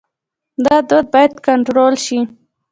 دا دود باید کنټرول شي.